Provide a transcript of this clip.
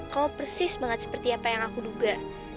kau persis banget seperti apa yang aku duga